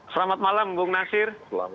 selamat malam bang nasir